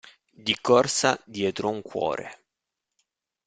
Di corsa dietro un cuore